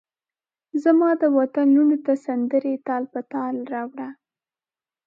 زمادوطن لوڼوته سندرې تال په تال راوړه